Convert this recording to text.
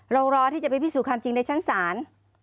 รอที่จะไปพิสูจน์ความจริงในชั้นศาล